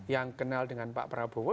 yang kenal dengan pak prabowo